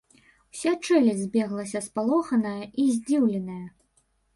Уся чэлядзь збеглася спалоханая і здзіўленая.